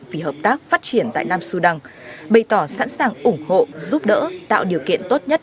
vì hợp tác phát triển tại nam sudan bày tỏ sẵn sàng ủng hộ giúp đỡ tạo điều kiện tốt nhất